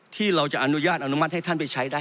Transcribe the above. ที่เราจะอนุญาตอนุมัติให้ท่านไปใช้ได้